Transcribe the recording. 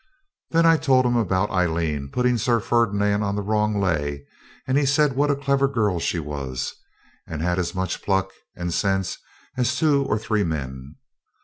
Then I told him about Aileen putting Sir Ferdinand on the wrong lay, and he said what a clever girl she was, and had as much pluck and sense as two or three men.